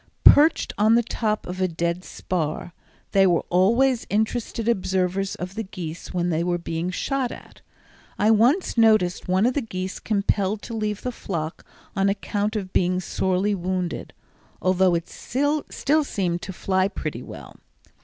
Perched on the top of a dead spar, they were always interested observers of the geese when they were being shot at. I once noticed one of the geese compelled to leave the flock on account of being sorely wounded, although it still seemed to fly pretty well.